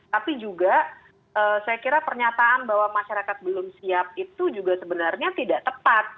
tapi juga saya kira pernyataan bahwa masyarakat belum siap itu juga sebenarnya tidak tepat